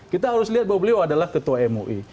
kita harus lihat bahwa beliau adalah ketua mui